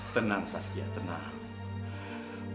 tenang saskia tenang